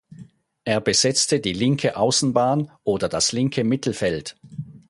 Er besetzte die linke Außenbahn oder das linke Mittelfeld.